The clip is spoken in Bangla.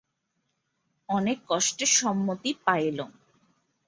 অনেক কষ্টে সম্মতি পাইল।